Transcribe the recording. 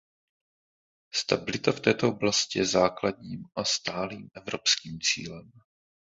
Stabilita v této oblasti je základním a stálým evropským cílem.